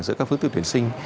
giữa các phương thức tuyển sinh